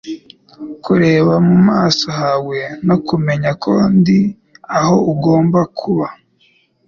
kureba mu maso hawe, no kumenya ko ndi aho ngomba kuba